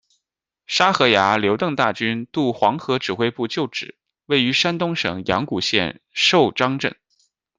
沙河崖刘邓大军渡黄河指挥部旧址，位于山东省阳谷县寿张镇。